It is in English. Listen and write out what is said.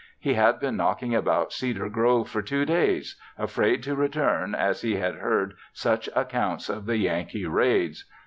He had been knocking about Cedar Grove for two days afraid to return as he had heard such accounts of the Yankee raids.